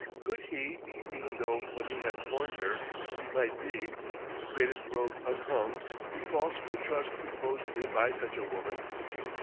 Could he, even though what he had warned her he might be, the greatest rogue unhung, be false to a trust reposed in him by such a woman?